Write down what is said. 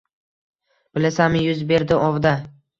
«Bilasanmi, yuz berdi ovda